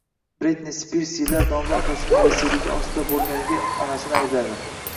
Britni Spirs yillar davomida otasining vasiyligi ostida bo‘lganiga onasini aybladi